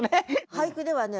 俳句ではね